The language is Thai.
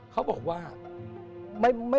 เขาบอกว่า